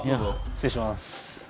失礼します。